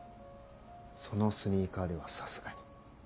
そのスニーカーではさすがに。